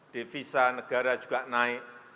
devisa negara juga naik